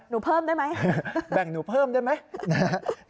หนูเพิ่มได้ไหมแบ่งหนูเพิ่มได้ไหม